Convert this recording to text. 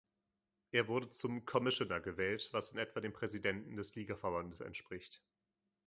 Er wurde zum "Commissioner" gewählt, was in etwa dem Präsidenten des Ligaverbandes entspricht.